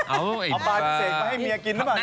เอาปลาพิเศษมาให้เมียกินหรือเปล่า